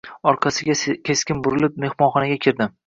Orqasiga keskin burilib, mehmonxonaga kirdi.